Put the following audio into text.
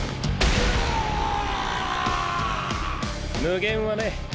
「無限」はね